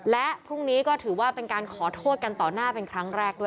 และพรุ่งนี้ก็ถือว่าเป็นการขอโทษกันต่อหน้าเป็นครั้งแรกด้วย